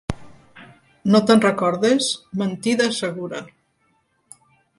No te'n recordes? Mentida segura.